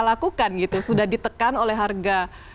lakukan gitu sudah ditekan oleh harga